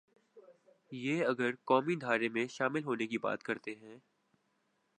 یہ اگر قومی دھارے میں شامل ہونے کی بات کرتے ہیں۔